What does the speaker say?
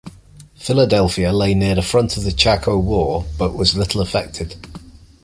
Filadelfia lay near the front of the Chaco War, but was little affected.